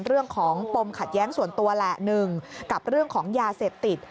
เรื่องของปมขัดแย้งส่วนตัวแหละหนึ่งกับเรื่องของยาเสพติด